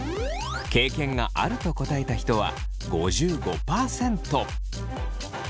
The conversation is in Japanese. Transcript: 経験があると答えた人は５５％。